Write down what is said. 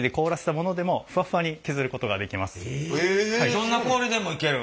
どんな氷でもいける？